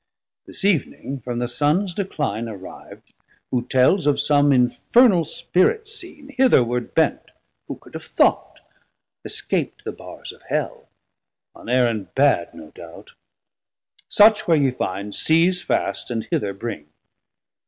This Eevning from the Sun's decline arriv'd Who tells of som infernal Spirit seen Hitherward bent (who could have thought?) escap'd The barrs of Hell, on errand bad no doubt: Such where ye find, seise fast, and hither bring.